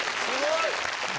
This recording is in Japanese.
すごい。